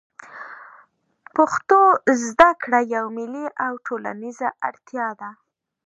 پښتو زده کړه یوه ملي او ټولنیزه اړتیا ده